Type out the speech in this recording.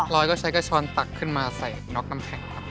รอยก็ใช้กระช้อนตักขึ้นมาใส่น็อกน้ำแข็งครับ